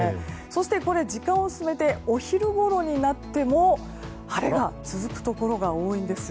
そして、時間を進めてお昼ごろになっても晴れが続くところが多いんです。